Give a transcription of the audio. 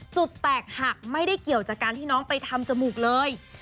จุดแตกหักไม่ได้เกี่ยวจากการที่น้องไปทำจมูกเลย